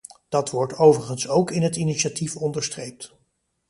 Dat wordt overigens ook in het initiatief onderstreept.